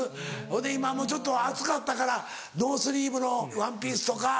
ほいで今ちょっと暑かったからノースリーブのワンピースとか。